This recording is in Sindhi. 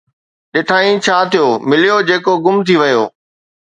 ڏٺائين ڇا ٿيو، مليو جيڪو گم ٿي ويو